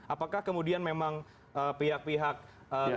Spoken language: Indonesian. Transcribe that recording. apakah kemudian memang pihak pihak terkait